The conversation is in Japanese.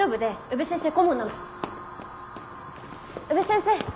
宇部先生！